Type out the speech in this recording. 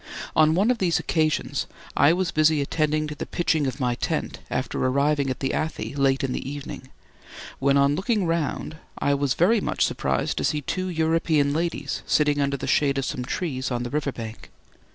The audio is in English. On one of these occasions I was busy attending to the pitching of my tent after arriving at the Athi late in the evening, when on looking round I was very much surprised to see two European ladies sitting under the shade of some trees on the river bank.